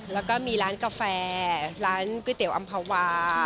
แล้วก็มีร้านกาแฟร้านก๋วยเตี๋ยวอำภาวา